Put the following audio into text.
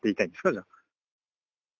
じゃあ。